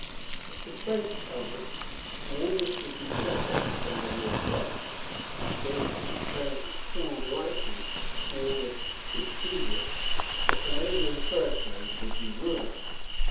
If the French held it, the English would be shut out from the northwest; if, as seemed likely, the English should seize it, the Canadian fur trade would be ruined.